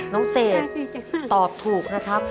เสกตอบถูกนะครับ